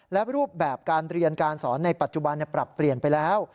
และรูปแบบการเรียนการสอนในปัจจุบันปรับเปลี่ยนไปแล้ว